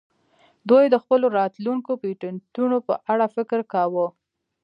دوی د خپلو راتلونکو پیټینټونو په اړه فکر کاوه